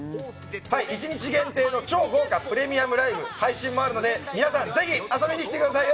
１日限定の超豪華プレミアムライブ配信もあるので皆さんぜひ遊びに来てください。